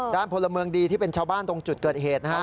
พลเมืองดีที่เป็นชาวบ้านตรงจุดเกิดเหตุนะฮะ